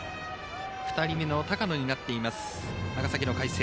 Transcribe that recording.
２人目の高野になっています、長崎の海星。